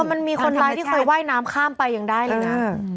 มันมีคนร้ายที่เคยว่ายน้ำข้ามไปยังได้เลยนะ